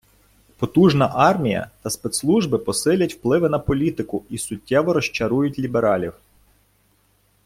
Потужна армія та спецслужби посилять впливи на політику і суттєво розчарують лібералів.